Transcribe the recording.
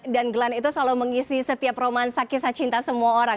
dan glenn itu selalu mengisi setiap romansa kisah cinta semua orang